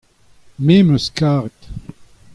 me'm eus karet.